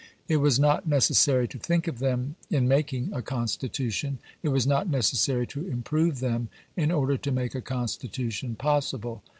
It was not necessary to think of them in making a constitution: it was not necessary to improve them in order to make a constitution possible.